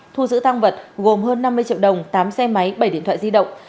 thu giữ tăng vật gồm hơn năm mươi triệu đồng tám xe máy bảy điện thoại di động